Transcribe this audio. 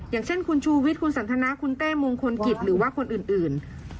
อย่างเช่นคุณชูวิทย์คุณสันทนาคุณเต้มงคลกิจหรือว่าคนอื่น